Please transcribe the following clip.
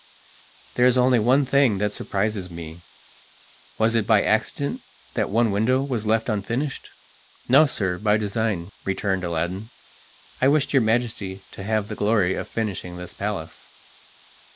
There is only one thing that surprises me. Was it by accident that one window was left unfinished?" "No, sir, by design," returned Aladdin. "I wished your Majesty to have the glory of finishing this palace."